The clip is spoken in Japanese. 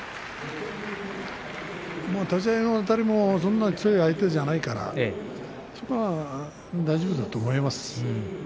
立ち合いのあたりも強い相手じゃないから大丈夫だと思います